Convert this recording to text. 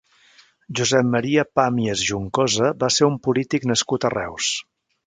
Josep Maria Pàmies Juncosa va ser un polític nascut a Reus.